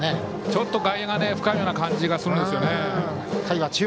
ちょっと外野が深いような感じがするんですよね。